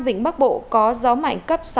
vịnh bắc bộ có gió mạnh cấp sáu